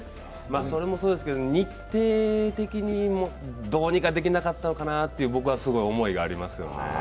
それもそうですけど、日程的にどうにかならなかったのかなという思いはありますよね。